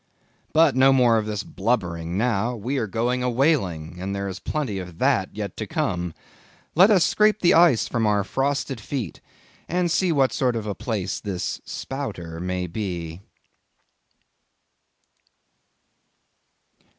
But no more of this blubbering now, we are going a whaling, and there is plenty of that yet to come. Let us scrape the ice from our frosted feet, and see what sort of a place this "Spouter" may be.